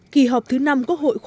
kỳ họp thứ năm quốc hội khóa một mươi